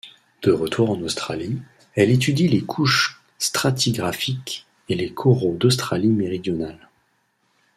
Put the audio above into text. De retour en Australie, elle étudie les couches stratigraphiques et les coraux d'Australie-Méridionale.